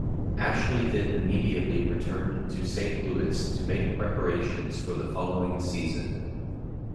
Ashley then immediately returned to Saint Louis to make preparations for the following season.